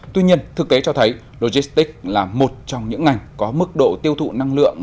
tuy nhiên thực tế cho thấy logistics là một trong những ngành có mức độ tiêu thụ năng lượng